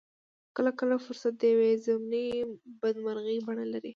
کله کله فرصت د يوې ضمني بدمرغۍ بڼه لري.